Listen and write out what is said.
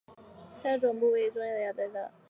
它的总部位于中亚雅加达。